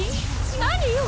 何よ？